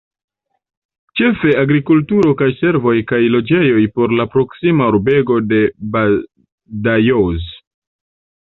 Ĉefe agrikulturo kaj servoj kaj loĝejoj por la proksima urbego de Badajoz.